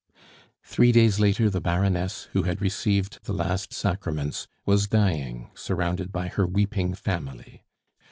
Three days later the Baroness, who had received the last sacraments, was dying, surrounded by her weeping family.